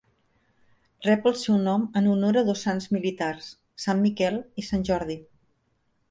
Rep el seu nom en honor a dos sants militars, Sant Miquel i Sant Jordi.